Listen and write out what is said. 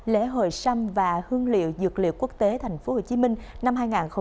lễ hội sâm và hương liệu dược liệu quốc tế tp hcm năm hai nghìn hai mươi bốn